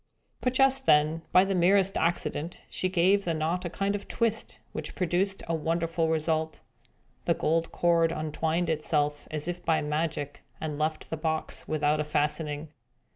But just then, by the merest accident, she gave the knot a kind of twist, which produced a wonderful result. The gold cord untwined itself, as if by magic, and left the box without a fastening.